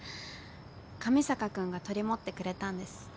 上坂君が取り持ってくれたんです。